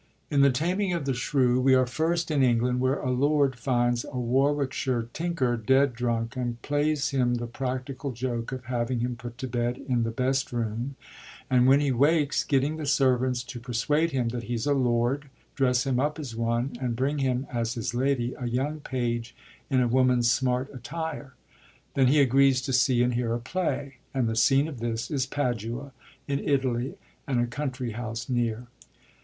— In The Taming of the Shrew we are first in England, where a lord finds a Warwickshire tinker dead drunk, and plays him the practical joke of having him put to bed in the best room, and, when he wakes, getting the servants to persuade him that he 's a lord, dress him up as one, and bring him, as his lady, a young page in a woman's smart attire. Then he agrees to see and hear a play ; and the scene of this is Padua in Italy, and a country house near.